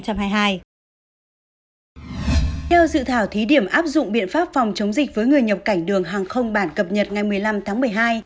theo dự thảo thí điểm áp dụng biện pháp phòng chống dịch với người nhập cảnh đường hàng không bản cập nhật ngày một mươi năm tháng một mươi hai